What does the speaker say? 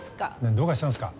どうかしたんすか？